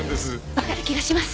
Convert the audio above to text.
わかる気がします。